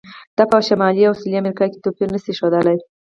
دا په شمالي او سویلي امریکا کې توپیر نه شي ښودلی.